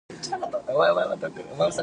あー。